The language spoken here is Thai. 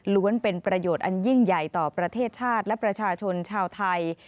เป็นประโยชน์อันยิ่งใหญ่ต่อประเทศชาติและประชาชนชาวไทย